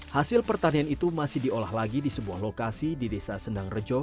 hasil pertanian itu masih diolah lagi di sebuah lokasi di desa sendang rejo